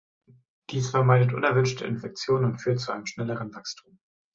Dies vermeidet unerwünschte Infektionen und führt zu einem schnelleren Wachstum.